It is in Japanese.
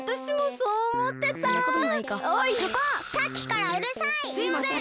すいません！